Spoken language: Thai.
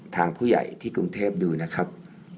ทางผู้ใหญ่ที่กรุงเทพดูนะครับ